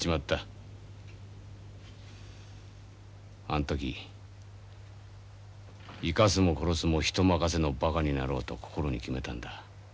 あん時生かすも殺すも人任せのバカになろうと心に決めたんだ。